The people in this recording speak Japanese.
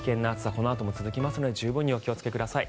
このあとも続きますので十分にお気をつけください。